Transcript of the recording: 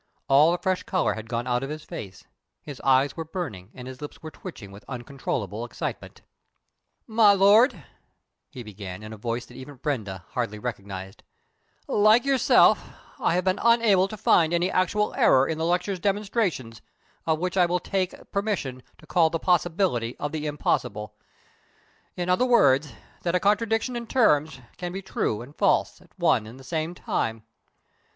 All the fresh colour had gone out of his face; his eyes were burning, and his lips were twitching with uncontrollable excitement. "My Lord," he began, in a voice that even Brenda hardly recognised, "like yourself, I have been unable to find any actual error in the lecturer's demonstrations of which I will take permission to call the possibility of the impossible; in other words, that a contradiction in terms can be true and false at one and the same time.